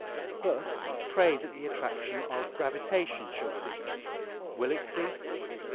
But pray that the attraction of gravitation shall cease. Will it cease?